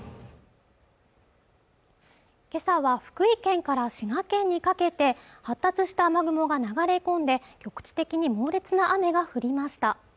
今朝は福井県から滋賀県にかけて発達した雨雲が流れ込んで局地的に猛烈な雨が降りました